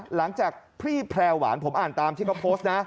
หลังจากพี่แพร่หวานผมอ่านตามที่เขาโพสต์นะ